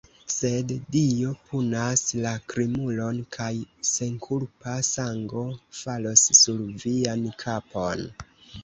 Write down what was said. sed Dio punas la krimulon, kaj senkulpa sango falos sur vian kapon!